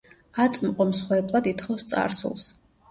აწმყო მსხვერპლად ითხოვს წარსულს.